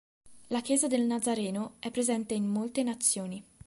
La Chiesa del Nazareno è presente in molte nazioni.